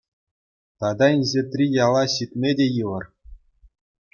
Тата инҫетри яла ҫитме те йывӑр.